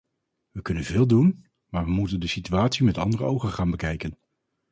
We kunnen veel doen, maar we moeten de situatie met andere ogen gaan bekijken.